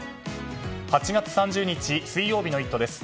８月３０日、水曜日の「イット！」です。